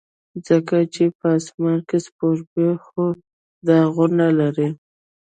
ځکه چې په اسمان کې سپوږمۍ خو داغونه لري.